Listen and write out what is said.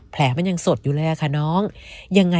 แผลมันยังสดอยู่แล้วค่ะน้อง